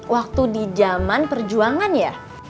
waktu di zaman perjuangan ya